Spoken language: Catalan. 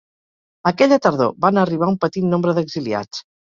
Aquella tardor van arribar un petit nombre d'exiliats.